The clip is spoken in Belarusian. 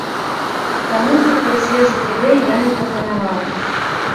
Таму супер-свежых ідэй я не прапанаваў.